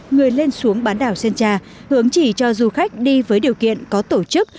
người lên xuống bán đảo sơn tra hướng chỉ cho du khách đi với điều kiện có tổ chức